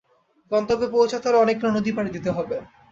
গন্তব্যে পৌছাতে হলে অনেকগুলো নদী পাড়ি দিতে হবে।